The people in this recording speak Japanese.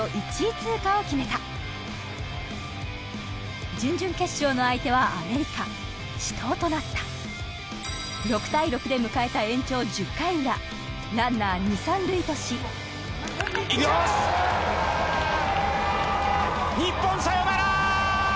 通過を決めた準々決勝の相手はアメリカ死闘となった６対６で迎えた延長１０回裏ランナー２・３塁とし日本サヨナラ！